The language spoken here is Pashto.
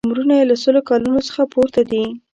عمرونه یې له سلو کالونو څخه پورته دي.